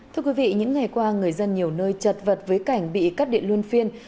thưa quý vị những ngày qua người dân nhiều nơi chật vật với cảnh bị cắt điện luôn phiên